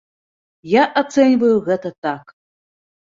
Я ацэньваю гэта так.